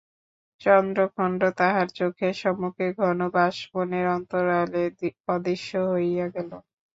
চন্দ্রখণ্ড তাহার চোখের সম্মুখে ঘন বাঁশবনের অন্তরালে অদৃশ্য হইয়া গেল।